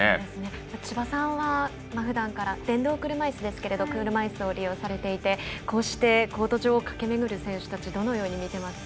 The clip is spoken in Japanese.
千葉さんは、ふだんから電動車いすですけど車いすを利用されていてコート上を駆け巡る選手たちどのように見ていますか？